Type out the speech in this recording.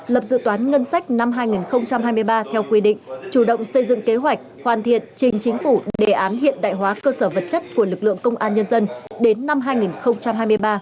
lập dự toán ngân sách năm hai nghìn hai mươi ba theo quy định chủ động xây dựng kế hoạch hoàn thiện trình chính phủ đề án hiện đại hóa cơ sở vật chất của lực lượng công an nhân dân đến năm hai nghìn hai mươi ba